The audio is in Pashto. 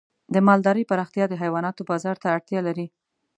د مالدارۍ پراختیا د حیواناتو بازار ته اړتیا لري.